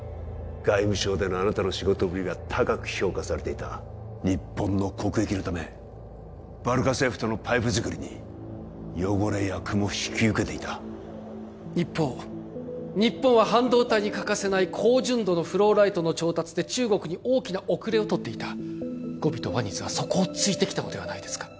外務省でのあなたの仕事ぶりが高く評価されていた日本の国益のためバルカ政府とのパイプづくりに汚れ役も引き受けていた一方日本は半導体に欠かせない高純度のフローライトの調達で中国に大きな後れを取っていたゴビとワニズはそこを突いてきたのではないですか？